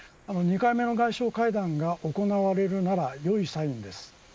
２回目の外相会談が行われるならよいサインです。